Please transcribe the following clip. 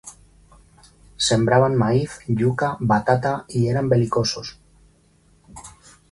Sembraban maíz, yuca, batata y eran belicosos.